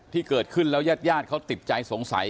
ที่เกิดขึ้นแล้วยาดเขาติดใจสงสัย